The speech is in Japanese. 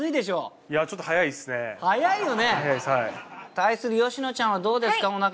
対するよしのちゃんはどうですか？